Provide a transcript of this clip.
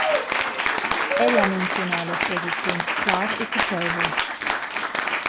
El ha menziunau las posiziuns clar e capeivel.